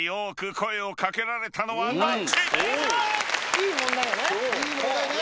いい問題ね。